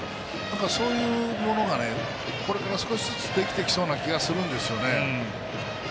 そういうものがこれから少しずつできてきそうな気がするんですよね。